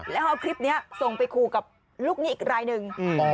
แล้วเอาคลิปนี้ส่งไปคู่กับลูกหนี้อีกรายหนึ่ง